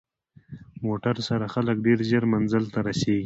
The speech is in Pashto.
موټر سره خلک ډېر ژر منزل ته رسېږي.